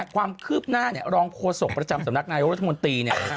ความคืบหน้ารองโภสกประจำจำนักนายกรัฐมนตรี